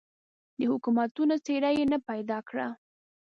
د حکومتونو څېره یې نه پیدا کړه.